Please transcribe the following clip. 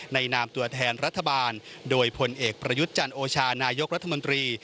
นามตัวแทนรัฐบาลโดยพลเอกประยุทธ์จันโอชานายกรัฐมนตรี